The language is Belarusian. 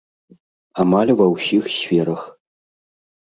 Амаль ва ўсіх сферах.